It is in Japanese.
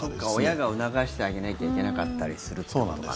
親が促してあげなきゃいけなかったりするってことか。